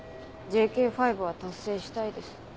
ＪＫ５は達成したいです。